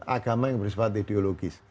agama yang bersebut ideologis